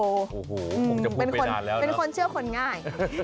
โอ้โหผมจะพูดไปนานแล้วนะเป็นคนเชื่อคนง่าย